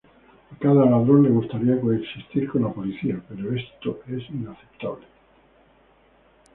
A cada ladrón le gustaría coexistir con la policía, pero esto es inaceptable.